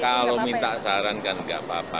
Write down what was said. kalau minta saran kan nggak apa apa